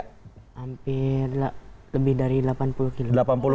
hampir lebih dari delapan puluh kilo